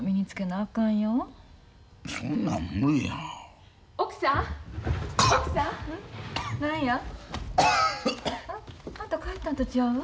あんた帰ったんと違う？